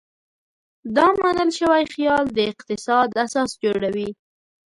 دا منل شوی خیال د اقتصاد اساس جوړوي.